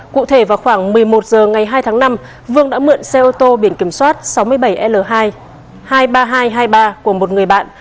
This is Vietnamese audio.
cụ thể vào khoảng một mươi một h ngày hai tháng năm vương đã mượn xe ô tô biển kiểm soát sáu mươi bảy l hai hai mươi ba nghìn hai trăm hai mươi ba của một người bạn